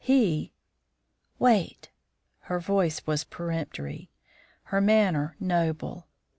He " "Wait!" Her voice was peremptory; her manner noble.